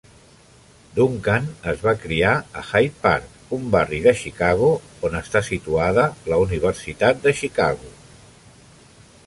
Duncan es va criar a Hyde Park, un barri de Chicago on està situada la Universitat de Chicago.